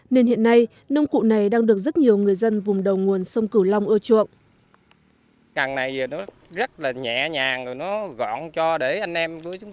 nên hiện nay nông cụ này đang được rất nhiều người dân vùng đầu nguồn sông cửu long ưa chuộng